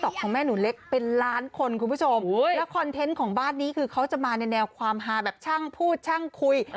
ของแม่หนูเล็กเป็นล้านคนคุณผู้ชมแล้วคอนเทนต์ของบ้านนี้คือเขาจะมาในแนวความฮาแบบช่างพูดช่างคุย